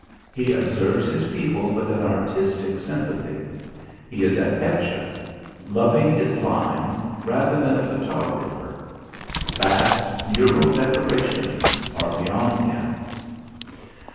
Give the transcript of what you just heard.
He observes his people with an artistic sympathy. He is an etcher, loving his line, rather than a photographer. Vast mural decorations are beyond him.